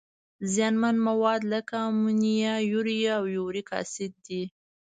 زیانمن مواد لکه امونیا، یوریا او یوریک اسید دي.